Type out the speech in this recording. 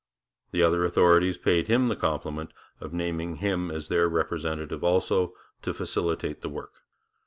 The other authorities paid him the compliment of naming him as their representative also, to facilitate the work.